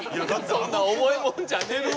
そんな重いもんじゃねえよ！